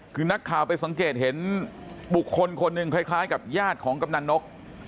คือนักข่าวไปสังเกตเห็นบุคคลคนหนึ่งคล้ายกับญาติของกำนันนก